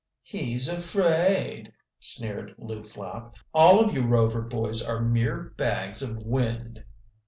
"He's afraid," sneered Lew Flapp. "All of you Rover boys are mere bags of wind."